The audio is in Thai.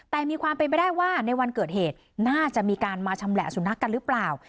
แต่มีความเป็นไปได้ว่าในวันเกิดเหตุน่าจะมีการมาชำแหละสุนัขกันหรือเปล่า